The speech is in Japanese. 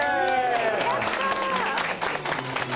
やった。